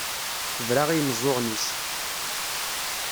Tebra i yimeẓẓuɣen-is.